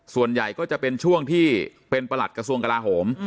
ส่วนใหญ่ก็จะเป็นช่วงที่เป็นประหลัดกระทรวงกลาโหม